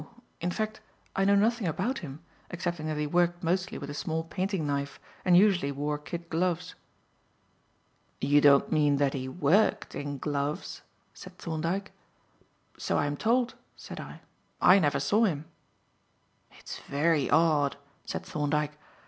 In fact, I know nothing about him, excepting that he worked mostly with a small painting knife, and usually wore kid gloves." "You don't mean that he worked in gloves?" said Thorndyke. "So I am told," said I. "I never saw him." "It's very odd," said Thorndyke.